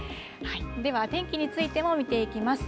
では、天気についても見ていきます。